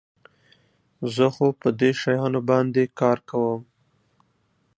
زه خو په دې شیانو باندي کار کوم.